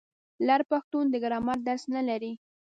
لر پښتون د ګرامر درس نه لري.